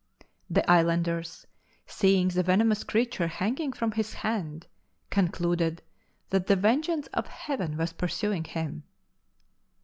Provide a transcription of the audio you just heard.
The islanders, seeing the venomous creature hanging from his hand, concluded that the vengeance of Heaven was pursuing him.